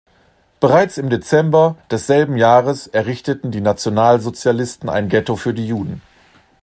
Bereits im Dezember desselben Jahres errichteten die Nationalsozialisten ein Ghetto für die Juden.